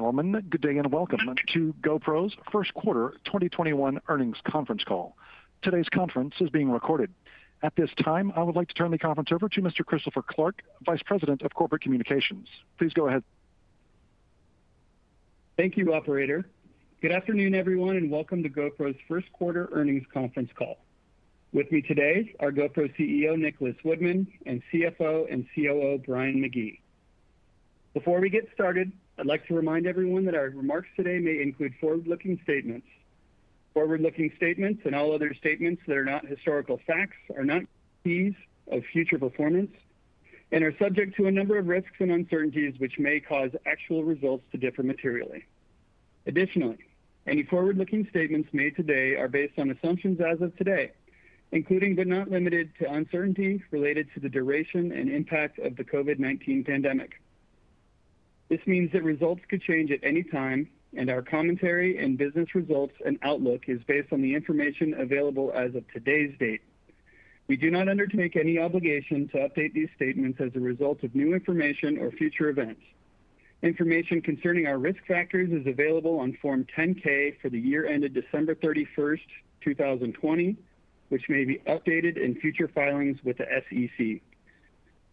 Gentlemen, good day and welcome to GoPro's first quarter 2021 earnings conference call. Today's conference is being recorded. At this time, I would like to turn the conference over to Mr. Christopher Clark, Vice President of Corporate Communications. Please go ahead. Thank you, operator. Good afternoon, everyone, and welcome to GoPro's first quarter earnings conference call. With me today are GoPro CEO Nicholas Woodman and CFO and COO Brian McGee. Before we get started, I'd like to remind everyone that our remarks today may include forward-looking statements. Forward-looking statements and all other statements that are not historical facts are not guarantees of future performance and are subject to a number of risks and uncertainties which may cause actual results to differ materially. Additionally, any forward-looking statements made today are based on assumptions as of today, including but not limited to uncertainty related to the duration and impact of the COVID-19 pandemic. This means that results could change at any time, and our commentary and business results and outlook is based on the information available as of today's date. We do not undertake any obligation to update these statements as a result of new information or future events. Information concerning our risk factors is available on Form 10-K for the year ended December 31st, 2020, which may be updated in future filings with the SEC.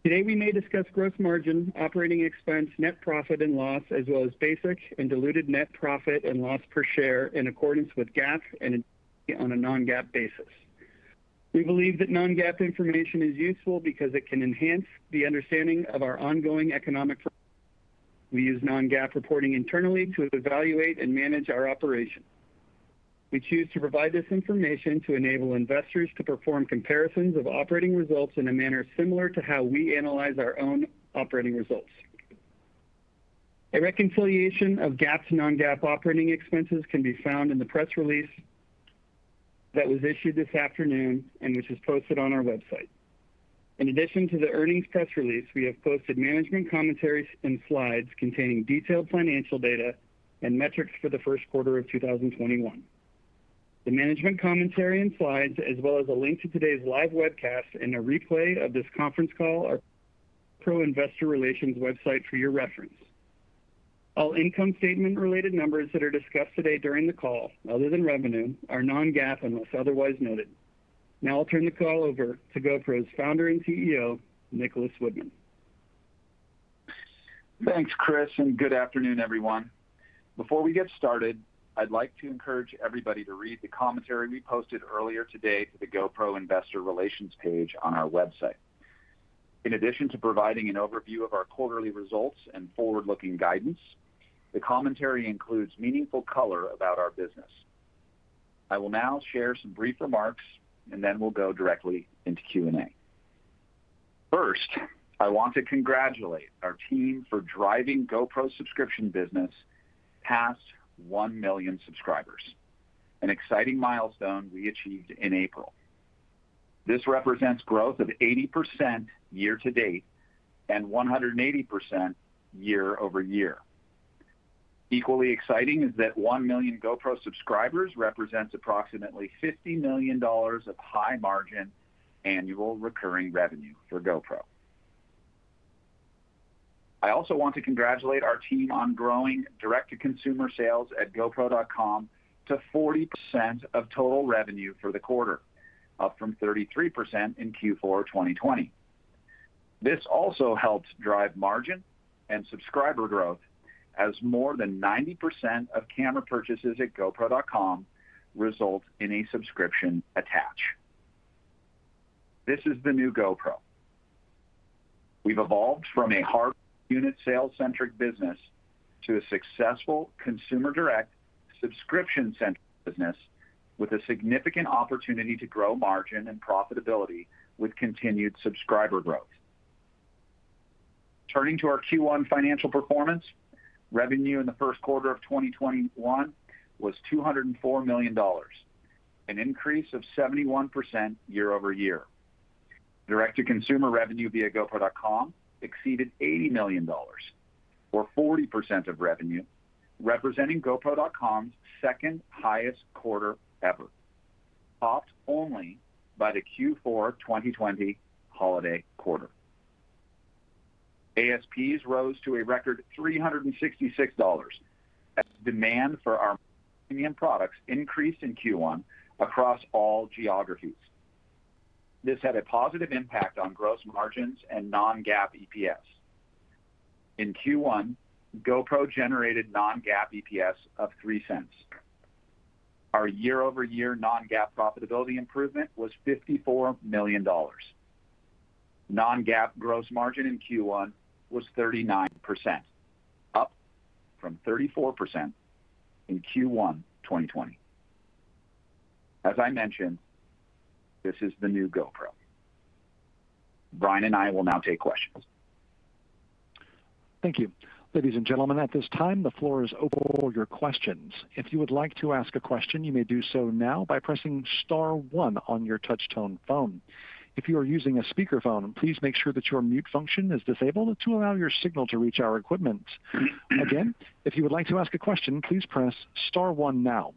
Today, we may discuss gross margin, operating expense, net profit and loss, as well as basic and diluted net profit and loss per share in accordance with GAAP and on a non-GAAP basis. We believe that non-GAAP information is useful because it can enhance the understanding of our ongoing economic performance. We use non-GAAP reporting internally to evaluate and manage our operations. We choose to provide this information to enable investors to perform comparisons of operating results in a manner similar to how we analyze our own operating results. A reconciliation of GAAP to non-GAAP operating expenses can be found in the press release that was issued this afternoon and which is posted on our website. In addition to the earnings press release, we have posted management commentaries and slides containing detailed financial data and metrics for the first quarter of 2021. The management commentary and slides, as well as a link to today's live webcast and a replay of this conference call are on GoPro Investor Relations website for your reference. All income statement-related numbers that are discussed today during the call, other than revenue, are non-GAAP unless otherwise noted. Now I'll turn the call over to GoPro's founder and CEO, Nicholas Woodman. Thanks, Chris, and good afternoon, everyone. Before we get started, I'd like to encourage everybody to read the commentary we posted earlier today to the GoPro investor relations page on our website. In addition to providing an overview of our quarterly results and forward-looking guidance, the commentary includes meaningful color about our business. I will now share some brief remarks and then we'll go directly into Q&A. First, I want to congratulate our team for driving GoPro Subscription business past 1 million subscribers, an exciting milestone we achieved in April. This represents growth of 80% year-to-date and 180% year-over-year. Equally exciting is that 1 million GoPro subscribers represents approximately $50 million of high margin annual recurring revenue for GoPro. I also want to congratulate our team on growing direct-to-consumer sales at gopro.com to 40% of total revenue for the quarter, up from 33% in Q4 2020. This also helps drive margin and subscriber growth as more than 90% of camera purchases at gopro.com result in a subscription attach. This is the new GoPro. We've evolved from a hard unit sale-centric business to a successful consumer direct subscription-centric business with a significant opportunity to grow margin and profitability with continued subscriber growth. Turning to our Q1 financial performance, revenue in the first quarter of 2021 was $204 million, an increase of 71% year-over-year. Direct-to-consumer revenue via gopro.com exceeded $80 million, or 40% of revenue, representing gopro.com's second highest quarter ever, topped only by the Q4 2020 holiday quarter. ASPs rose to a record $366 as demand for our premium products increased in Q1 across all geographies. This had a positive impact on gross margins and non-GAAP EPS. In Q1, GoPro generated non-GAAP EPS of $0.03. Our year-over-year non-GAAP profitability improvement was $54 million. Non-GAAP gross margin in Q1 was 39%, up from 34% in Q1 2020. As I mentioned, this is the new GoPro. Brian and I will now take questions. Thank you. Ladies and gentlemen, at this time the floor is open for all your questions. If you would like to ask a question, you may do so now by pressing star one on your touch-tone phone. If you are using a speakerphone, please make sure that your mute function is disabled to allow your signal to reach our equipment. Again, if you would like to ask a question, please press star one now.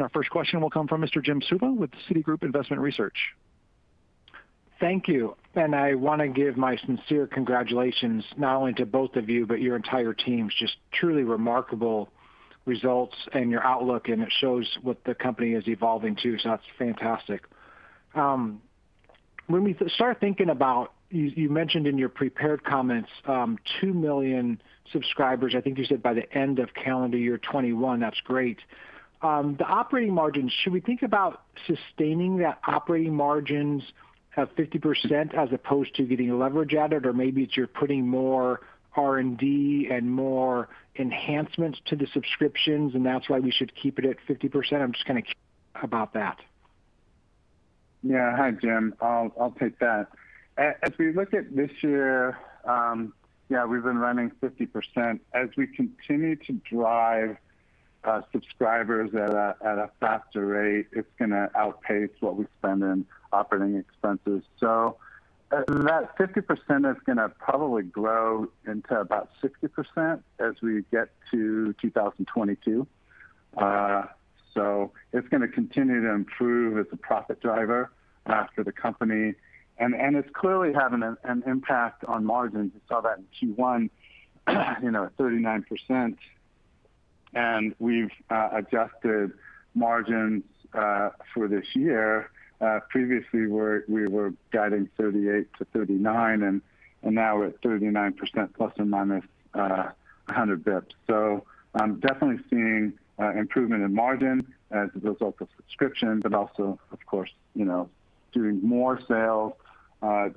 Our first question will come from Mr. Jim Suva with Citigroup Investment Research. Thank you. I want to give my sincere congratulations, not only to both of you, but your entire teams. Just truly remarkable results and your outlook, and it shows what the company is evolving to, so that's fantastic. When we start thinking about, you mentioned in your prepared comments, 2 million subscribers, I think you said, by the end of calendar year 2021. That's great. The operating margins, should we think about sustaining the operating margins at 50%, as opposed to getting leverage added? Maybe it's you're putting more R&D and more enhancements to the subscriptions, and that's why we should keep it at 50%? I'm just kind of curious about that. Yeah. Hi, Jim. I'll take that. As we look at this year, yeah, we've been running 50%. As we continue to drive subscribers at a faster rate, it's going to outpace what we spend in operating expenses. That 50% is going to probably grow into about 60% as we get to 2022. It's going to continue to improve as a profit driver for the company, and it's clearly having an impact on margins. We saw that in Q1, 39%. We've adjusted margins for this year. Previously, we were guiding 38%-39%, and now we're at 39%, plus or minus 100 basis points. I'm definitely seeing improvement in margin as a result of subscription, but also, of course, doing more sales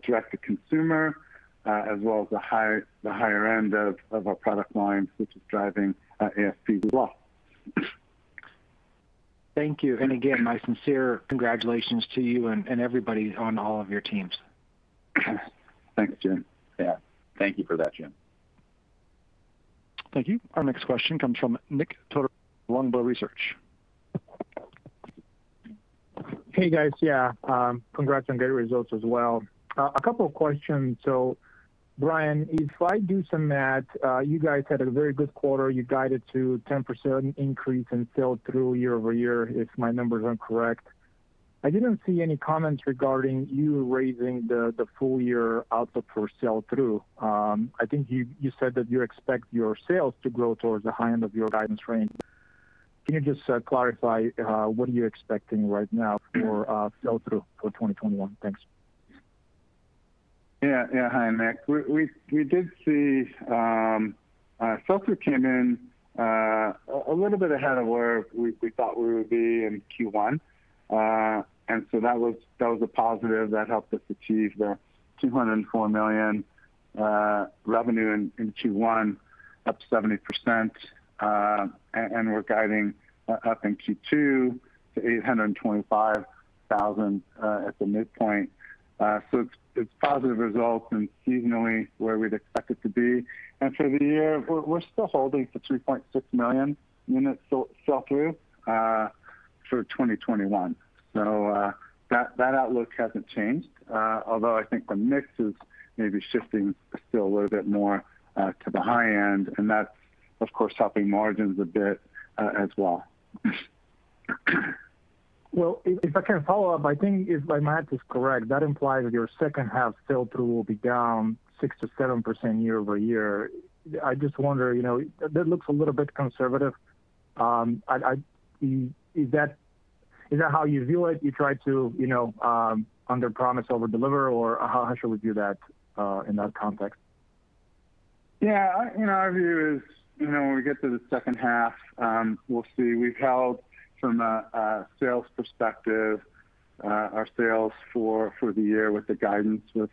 direct to consumer, as well as the higher end of our product line, which is driving ASP as well. Thank you. Again, my sincere congratulations to you and everybody on all of your teams. Thanks, Jim. Yeah. Thank you for that, Jim. Thank you. Our next question comes from Nik Todorov, Longbow Research. Hey, guys. Yeah. Congrats on great results as well. A couple of questions. Brian, if I do some math, you guys had a very good quarter. You guided to 10% increase in sell-through year-over-year, if my numbers are correct. I didn't see any comments regarding you raising the full-year outlook for sell-through. I think you said that you expect your sales to grow towards the high end of your guidance range. Can you just clarify what you're expecting right now for sell-through for 2021? Thanks. Hi, Nik. We did see sell-through came in a little bit ahead of where we thought we would be in Q1. That was a positive that helped us achieve the $204 million revenue in Q1, up 70%, and we're guiding up in Q2 to $825,000 at the midpoint. It's positive results and seasonally where we'd expect it to be. For the year, we're still holding for 3.6 million units sell-through for 2021. That outlook hasn't changed. Although I think the mix is maybe shifting still a little bit more to the high end, and that's, of course, helping margins a bit as well. Well, if I can follow up, I think if my math is correct, that implies that your second half sell-through will be down 6%-7% year-over-year. I just wonder, that looks a little bit conservative. Is that how you view it? You try to underpromise, overdeliver, or how should we view that in that context? Yeah. Our view is when we get to the second half, we'll see. We've held, from a sales perspective, our sales for the year with the guidance. We've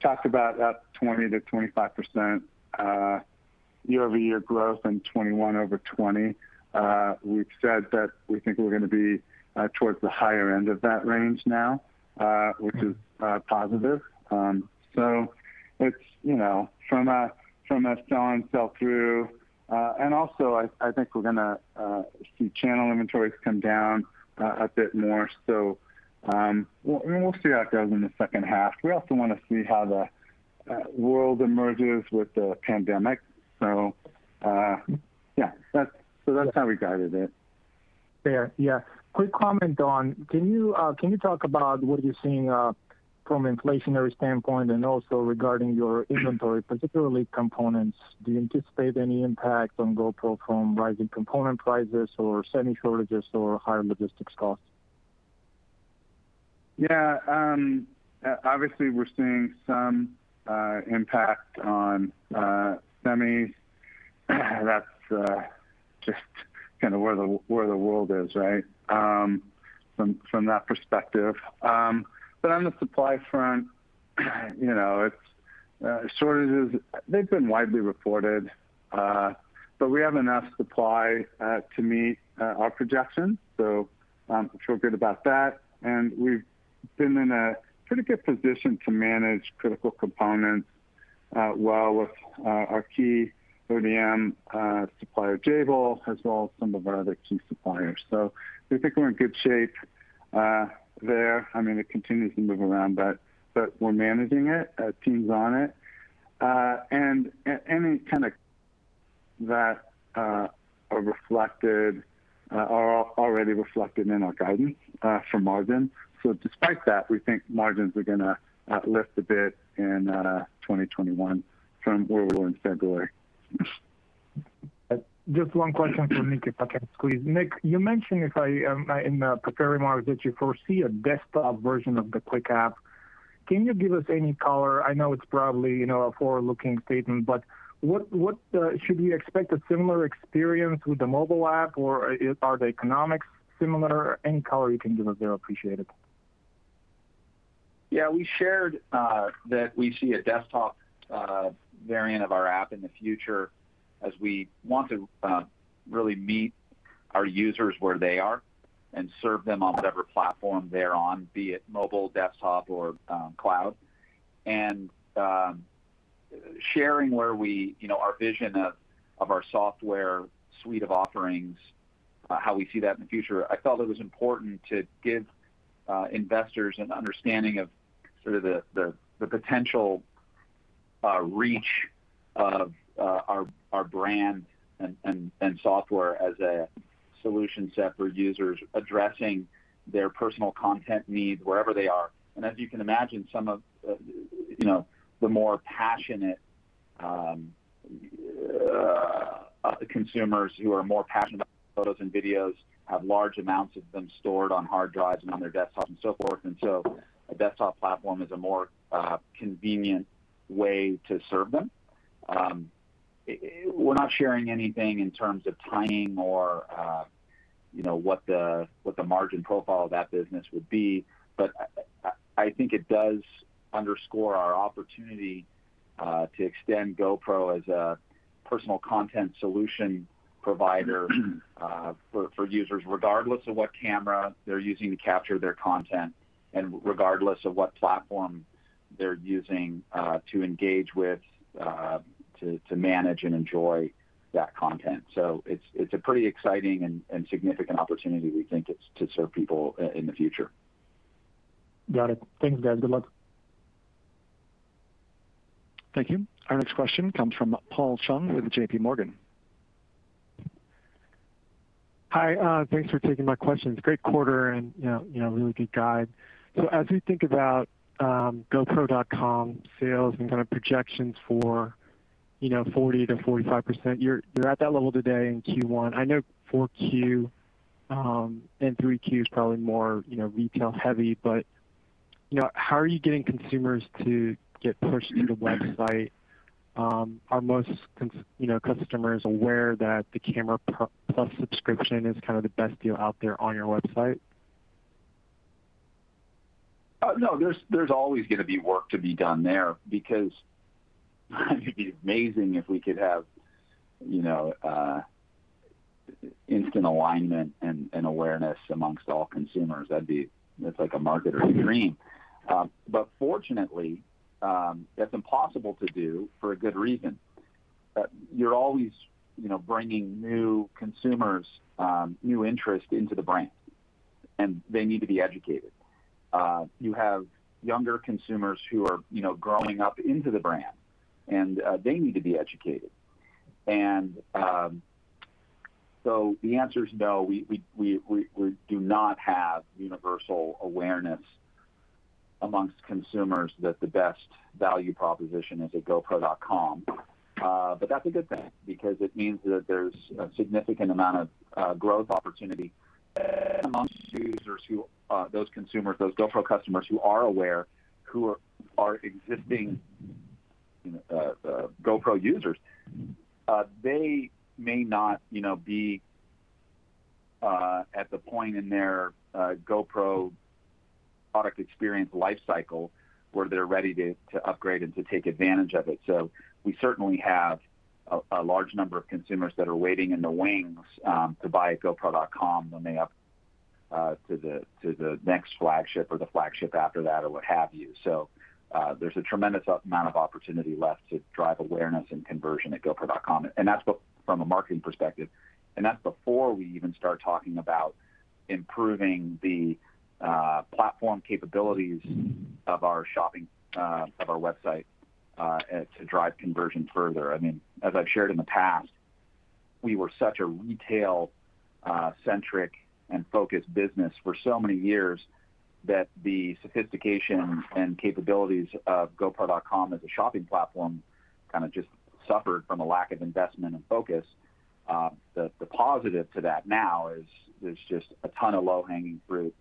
talked about 20%-25% year-over-year growth in 2021 over 2020. We've said that we think we're going to be towards the higher end of that range now. Okay which is positive. It's from a strong sell-through, and also, I think we're going to see channel inventories come down a bit more. We'll see how it goes in the second half. We also want to see how the world emerges with the pandemic. Yeah. That's how we guided it. Fair. Yeah. Quick comment, Don. Can you talk about what you're seeing from inflationary standpoint and also regarding your inventory, particularly components? Do you anticipate any impact on GoPro from rising component prices or semi shortages or higher logistics costs? Yeah. Obviously, we're seeing some impact on semis. That's just kind of where the world is, right? From that perspective. On the supply front, shortages, they've been widely reported. We have enough supply to meet our projections, so I feel good about that. We've been in a pretty good position to manage critical components well with our key ODM supplier, Jabil, as well as some of our other key suppliers. We think we're in good shape there. It continues to move around, but we're managing it, teams on it. Any kind of that are already reflected in our guidance for margin. Despite that, we think margins are going to lift a bit in 2021 from where we were in February. Just one question for Nik, if I can squeeze. Nik, you mentioned in the prepared remarks that you foresee a desktop version of the Quik app. Can you give us any color? I know it's probably a forward-looking statement, but should we expect a similar experience with the mobile app, or are the economics similar? Any color you can give us there, appreciated. Yeah, we shared that we see a desktop variant of our app in the future, as we want to really meet our users where they are and serve them on whatever platform they're on, be it mobile, desktop, or cloud. Sharing our vision of our software suite of offerings, how we see that in the future, I felt it was important to give investors an understanding of sort of the potential reach of our brand and software as a solution set for users addressing their personal content needs wherever they are. As you can imagine, the more passionate consumers who are more passionate about photos and videos have large amounts of them stored on hard drives and on their desktop and so forth. A desktop platform is a more convenient way to serve them. We're not sharing anything in terms of timing or what the margin profile of that business would be, but I think it does underscore our opportunity to extend GoPro as a personal content solution provider for users, regardless of what camera they're using to capture their content and regardless of what platform they're using to engage with to manage and enjoy that content. It's a pretty exciting and significant opportunity, we think, to serve people in the future. Got it. Thanks, guys. Good luck. Thank you. Our next question comes from Paul Chung with JPMorgan. Hi, thanks for taking my questions. Great quarter and really good guide. As we think about gopro.com sales and kind of projections for 40%-45%, you're at that level today in Q1. I know 4Q and 3Q is probably more retail-heavy, but how are you getting consumers to get pushed to the website? Are most customers aware that the Camera Plus subscription is kind of the best deal out there on your website? There's always going to be work to be done there because it'd be amazing if we could have instant alignment and awareness amongst all consumers. That's like a marketer's dream. Fortunately, that's impossible to do for a good reason. You're always bringing new consumers, new interest into the brand, and they need to be educated. You have younger consumers who are growing up into the brand, and they need to be educated. The answer is no, we do not have universal awareness amongst consumers that the best value proposition is at gopro.com. That's a good thing because it means that there's a significant amount of growth opportunity amongst those consumers, those GoPro customers who are aware, who are existing GoPro users. They may not be at the point in their GoPro product experience life cycle where they're ready to upgrade and to take advantage of it. We certainly have a large number of consumers that are waiting in the wings to buy at gopro.com when they upgrade to the next flagship or the flagship after that, or what have you. There's a tremendous amount of opportunity left to drive awareness and conversion at gopro.com, and that's from a marketing perspective. That's before we even start talking about improving the platform capabilities of our website to drive conversion further. As I've shared in the past, we were such a retail-centric and focused business for so many years that the sophistication and capabilities of gopro.com as a shopping platform kind of just suffered from a lack of investment and focus. The positive to that now is there's just a ton of low-hanging fruit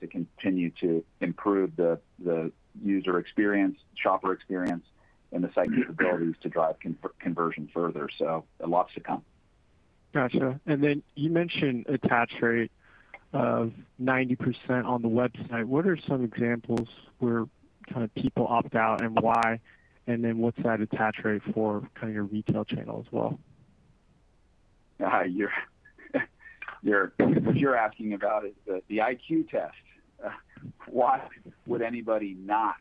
to continue to improve the user experience, shopper experience, and the site capabilities to drive conversion further. Lots to come. Got you. You mentioned attach rate of 90% on the website. What are some examples where kind of people opt out and why? What's that attach rate for kind of your retail channel as well? What you're asking about is the IQ test. Why would anybody not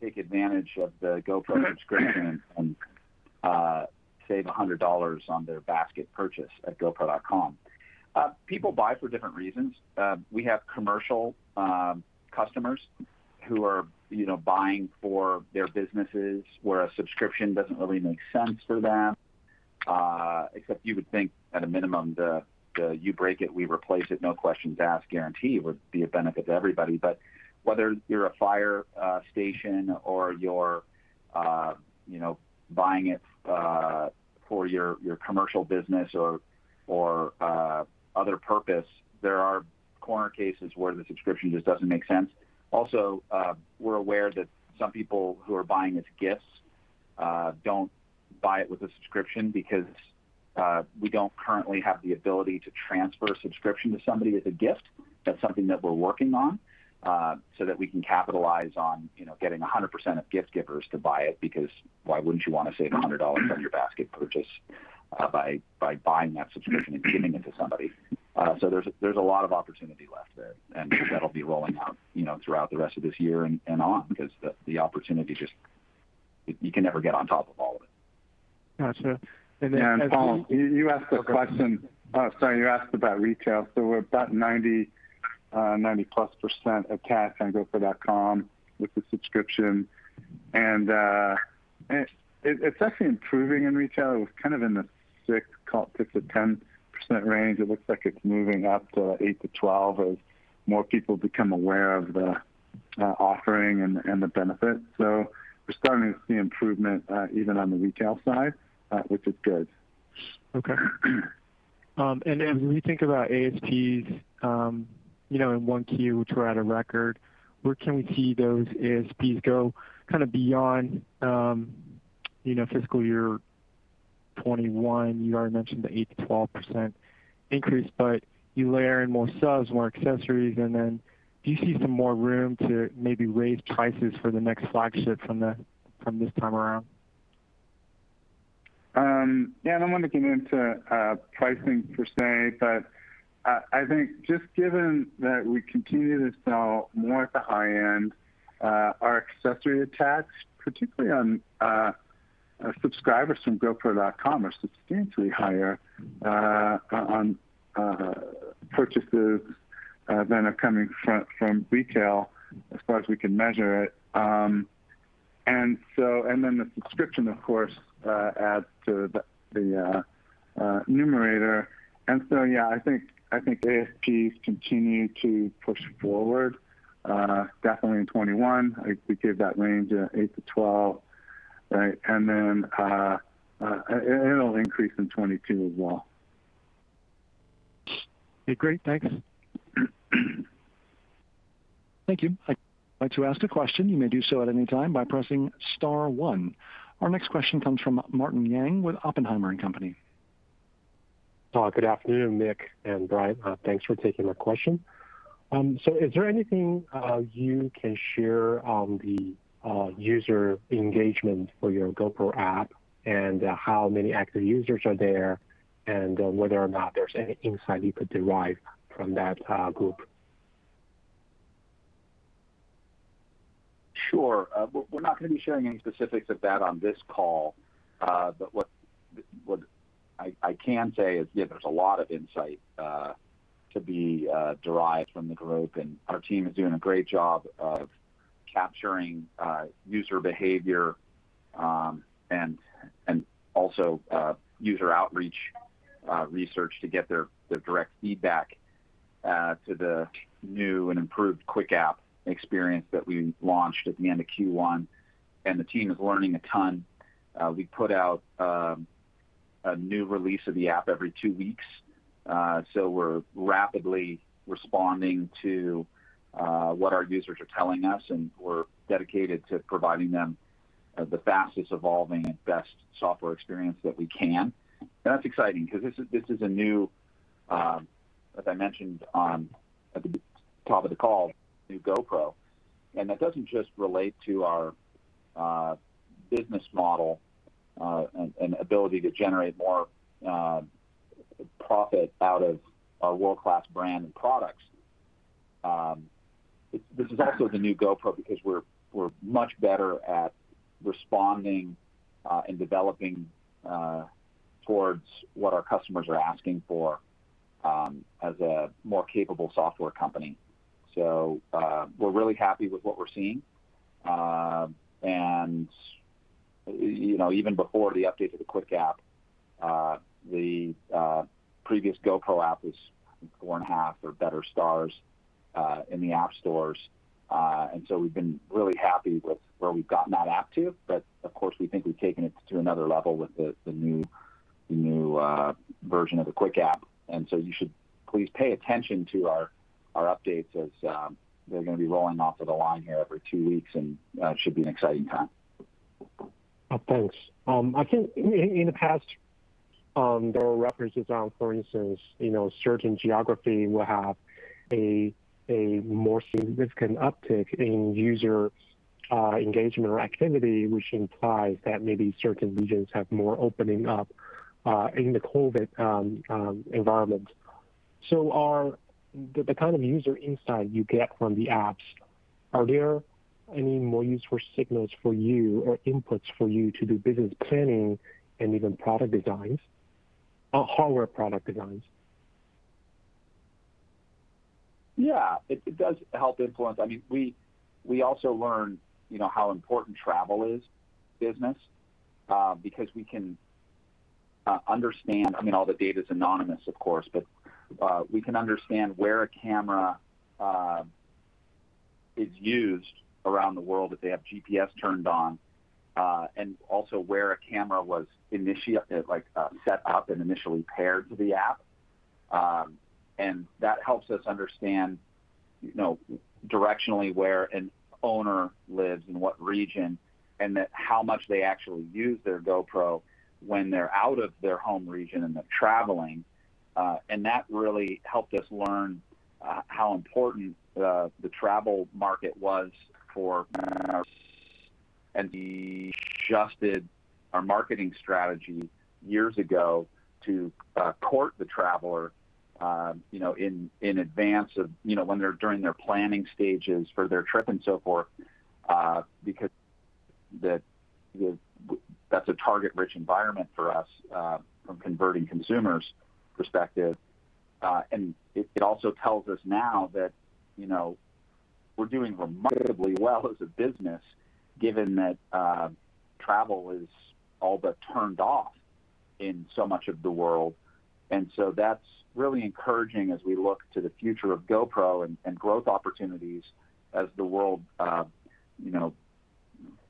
take advantage of the GoPro Subscription and save $100 on their basket purchase at gopro.com. People buy for different reasons. We have commercial customers who are buying for their businesses, where a subscription doesn't really make sense for them. Except you would think at a minimum, the you break it, we replace it, no questions asked guarantee would be a benefit to everybody. Whether you're a fire station or you're buying it for your commercial business or other purpose, there are corner cases where the subscription just doesn't make sense. Also, we're aware that some people who are buying as gifts don't buy it with a subscription because we don't currently have the ability to transfer a subscription to somebody as a gift. That's something that we're working on so that we can capitalize on getting 100% of gift-givers to buy it, because why wouldn't you want to save $100 on your basket purchase by buying that subscription and giving it to somebody? There's a lot of opportunity left there, and that'll be rolling out throughout the rest of this year and on, because the opportunity, you can never get on top of all of it. Got you. Paul, you asked a question. Oh, go ahead. Oh, sorry. You asked about retail. We're about 90+% attach on gopro.com with the subscription, and it's actually improving in retail. It was kind of in the 6%-10% range. It looks like it's moving up to 8%-12% as more people become aware of the offering and the benefit. We're starting to see improvement even on the retail side, which is good. Okay. When you think about ASPs in 1Q, which were at a record, where can we see those ASPs go beyond fiscal year 2021? You already mentioned the 8%-12% increase, but you layer in more subs, more accessories, then do you see some more room to maybe raise prices for the next flagship from this time around? Yeah, I don't want to get into pricing per se, but I think just given that we continue to sell more at the high end, our accessory attach, particularly on subscribers from gopro.com, are substantially higher on purchases than are coming from retail, as far as we can measure it. The subscription, of course, adds to the numerator. Yeah, I think ASPs continue to push forward, definitely in 2021. I think we gave that range of 8%-12%, right? It'll increase in 2022 as well. Okay, great. Thanks. Thank you. If you would like to ask a question, you may do so at any time by pressing star one. Our next question comes from Martin Yang with Oppenheimer and Company. Good afternoon, Nik and Brian. Thanks for taking my question. Is there anything you can share on the user engagement for your GoPro app, and how many active users are there, and whether or not there's any insight you could derive from that group? Sure. We're not going to be sharing any specifics of that on this call. What I can say is, yeah, there's a lot of insight to be derived from the group, and our team is doing a great job of capturing user behavior and also user outreach research to get their direct feedback to the new and improved Quik app experience that we launched at the end of Q1. The team is learning a ton. We put out a new release of the app every two weeks, so we're rapidly responding to what our users are telling us, and we're dedicated to providing them the fastest evolving and best software experience that we can. That's exciting because this is a new, as I mentioned at the top of the call, new GoPro, and that doesn't just relate to our business model and ability to generate more profit out of our world-class brand and products. This is actually the new GoPro because we're much better at responding and developing towards what our customers are asking for as a more capable software company. We're really happy with what we're seeing. Even before the update to the Quik app, the previous GoPro app was four and a half or better stars in the app stores, and so we've been really happy with where we've gotten that app to. Of course, we think we've taken it to another level with the new version of the Quik app. You should please pay attention to our updates as they're going to be rolling off of the line here every two weeks, and it should be an exciting time. Thanks. I think in the past, there were references on, for instance, certain geography will have a more significant uptick in user engagement or activity, which implies that maybe certain regions have more opening up in the COVID environment. Are the kind of user insight you get from the apps? Are there any more useful signals for you or inputs for you to do business planning and even product designs or hardware product designs? Yeah, it does help influence. We also learn how important travel is to business, because we can understand, all the data's anonymous of course, but we can understand where a camera is used around the world if they have GPS turned on, and also where a camera was set up and initially paired to the app. That helps us understand directionally where an owner lives, in what region, and how much they actually use their GoPro when they're out of their home region and they're traveling. That really helped us learn how important the travel market was for our business, and we adjusted our marketing strategy years ago to court the traveler, during their planning stages for their trip and so forth, because that's a target-rich environment for us from converting consumers perspective. It also tells us now that we're doing remarkably well as a business, given that travel is all but turned off in so much of the world. That's really encouraging as we look to the future of GoPro and growth opportunities as the world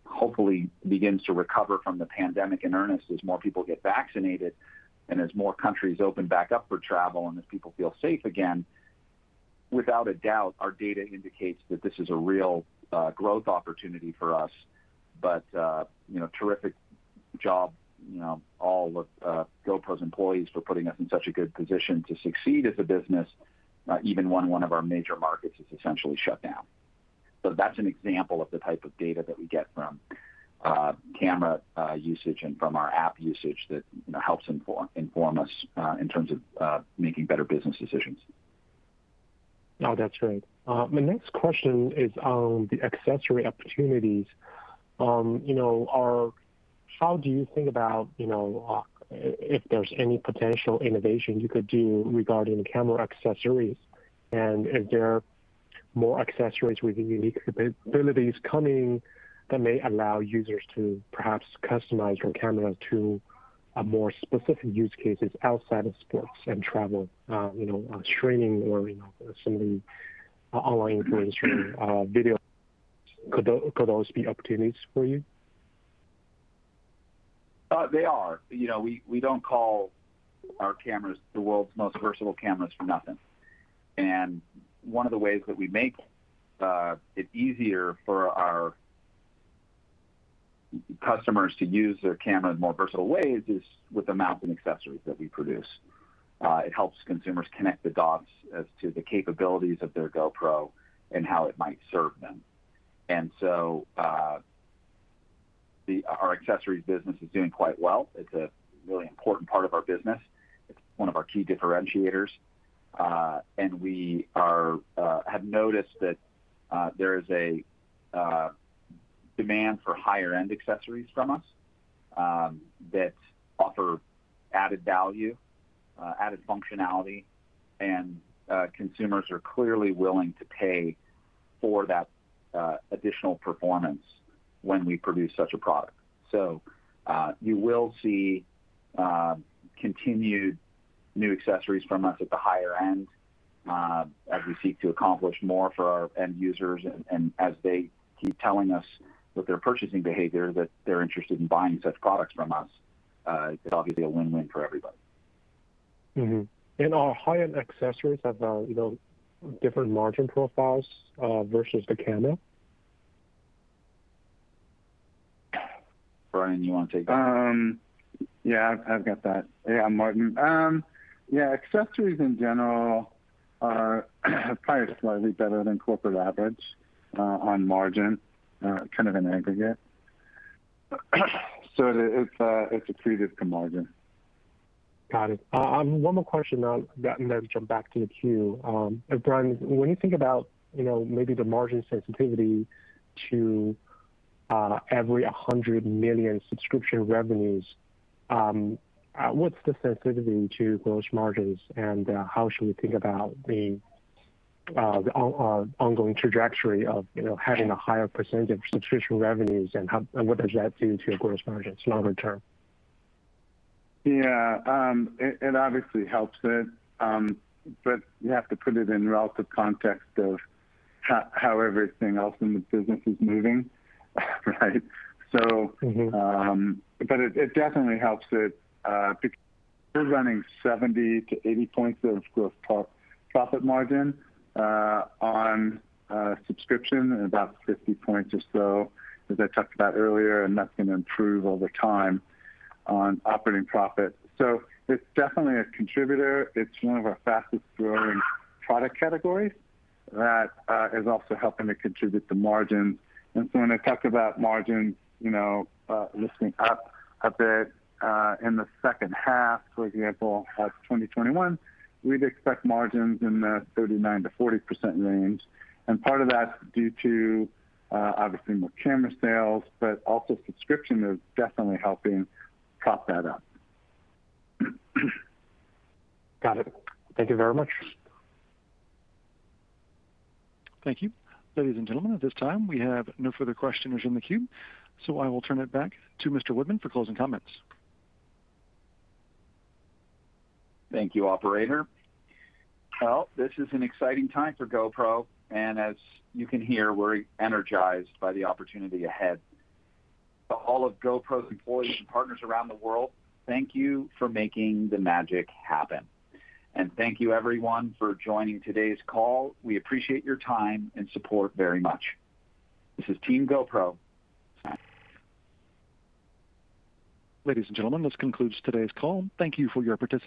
hopefully begins to recover from the pandemic in earnest, as more people get vaccinated and as more countries open back up for travel, and as people feel safe again. Without a doubt, our data indicates that this is a real growth opportunity for us. Terrific job, all of GoPro's employees for putting us in such a good position to succeed as a business, even when one of our major markets is essentially shut down. That's an example of the type of data that we get from camera usage and from our app usage that helps inform us in terms of making better business decisions. No, that's right. My next question is on the accessory opportunities. How do you think about if there's any potential innovation you could do regarding camera accessories? If there are more accessories with unique capabilities coming that may allow users to perhaps customize their camera to more specific use cases outside of sports and travel, on streaming or some of the online influence from video. Could those be opportunities for you? They are. We don't call our cameras the world's most versatile cameras for nothing. One of the ways that we make it easier for our customers to use their camera in more versatile ways is with the mounts and accessories that we produce. It helps consumers connect the dots as to the capabilities of their GoPro and how it might serve them. Our accessories business is doing quite well. It's a really important part of our business. It's one of our key differentiators. We have noticed that there is a demand for higher-end accessories from us, that offer added value, added functionality, and consumers are clearly willing to pay for that additional performance when we produce such a product. You will see continued new accessories from us at the higher end, as we seek to accomplish more for our end users, and as they keep telling us with their purchasing behavior that they're interested in buying such products from us. It's obviously a win-win for everybody. Are high-end accessories have different margin profiles, versus the camera? Brian, you want to take that? Yeah, I've got that. Yeah, Martin. Yeah, accessories in general are probably slightly better than corporate average on margin, kind of in aggregate. It's accretive to margin. Got it. One more question on that. Then we jump back to the queue. Brian, when you think about maybe the margin sensitivity to every $100 million subscription revenues, what's the sensitivity to gross margins, and how should we think about the ongoing trajectory of having a higher percentage of subscription revenues and what does that do to your gross margins longer-term? It obviously helps it, but you have to put it in relative context of how everything else in the business is moving, right? It definitely helps it, because we're running 70-80 points of gross profit margin on a subscription, and about 50 points or so, as I talked about earlier, and that's going to improve over time on operating profit. It's definitely a contributor. It's one of our fastest growing product categories that is also helping to contribute to margin. When I talk about margin lifting up a bit, in the second half, for example, of 2021, we'd expect margins in the 39%-40% range. Part of that's due to obviously more camera sales, but also subscription is definitely helping prop that up. Got it. Thank you very much. Thank you. Ladies and gentlemen, at this time, we have no further questions in the queue, so I will turn it back to Mr. Woodman for closing comments. Thank you, operator. Well, this is an exciting time for GoPro, and as you can hear, we're energized by the opportunity ahead. To all of GoPro's employees and partners around the world, thank you for making the magic happen. Thank you everyone for joining today's call. We appreciate your time and support very much. This is Team GoPro. Sign off. Ladies and gentlemen, this concludes today's call. Thank you for your participation.